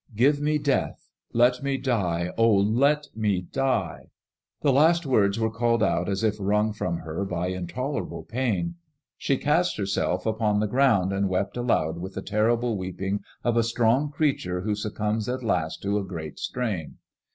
Give me death ; let me die, oh, let me die! The last words were called out as if wrung from her by intoler« , able pain. She cast herself upon the ground and wept aloud with the terrible weeping of a strong creature who succumbs at last to a great strain.